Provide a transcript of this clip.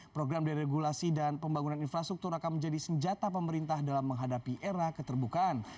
program deregulasi dan pembangunan infrastruktur akan menjadi senjata pemerintah dalam menghadapi era keterbukaan